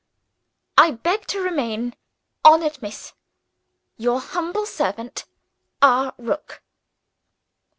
"I beg to remain, Honored Miss, "Your humble servant, "R. ROOK."